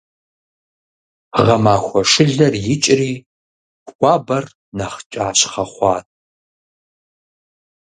Гъэмахуэ шылэр икӀри, хуабэр нэхъ кӀащхъэ хъуат.